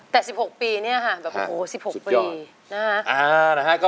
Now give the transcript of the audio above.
แต่ก็๑๖ปีนี้โอ้โห๑๖ปี